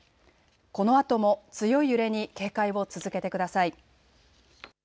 このあとも強い揺れに警戒を続けてください。